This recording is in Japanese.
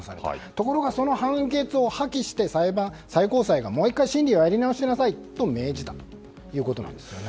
ところがその判決を破棄して最高裁がもう１回審理をやり直しなさいと命じたということなんです。